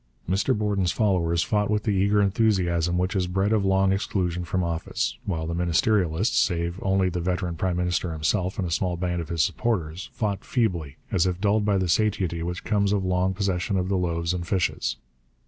Mr Borden's followers fought with the eager enthusiasm which is bred of long exclusion from office, while the ministerialists save only the veteran prime minister himself and a small band of his supporters fought feebly, as if dulled by the satiety which comes of long possession of the loaves and fishes.